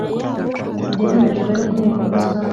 byemejwe n Inteko rusange